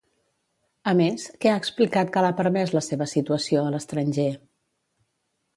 A més, què ha explicat que l'ha permès la seva situació a l'estranger?